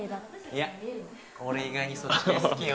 いや俺意外にそっち系好きよ